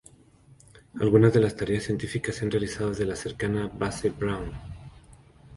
Algunas de las tareas científicas se han realizado desde la cercana base Brown.